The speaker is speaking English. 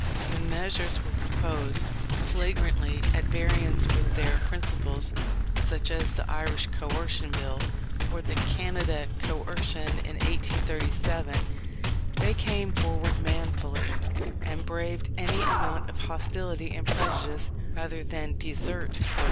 When measures were proposed, flagrantly at variance with their principles, such as the Irish Coercion Bill, or the Canada Coercion in 1837, they came forward manfully, and braved any amount of hostility and prejudice rather than desert the right.